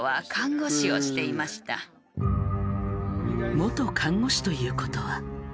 元看護師ということは。